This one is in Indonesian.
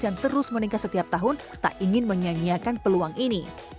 yang terus meningkat setiap tahun tak ingin menyanyiakan peluang ini